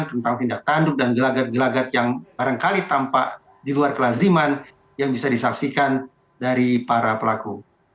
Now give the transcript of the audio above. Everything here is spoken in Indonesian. tentang tindak tanduk dan gelagat gelagat yang barangkali tampak di luar kelaziman yang bisa disaksikan dari para pelaku